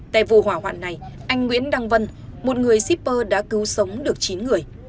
tại vụ hỏa hoạn này anh nguyễn đăng vân một người shipper đã cứu sống được chín người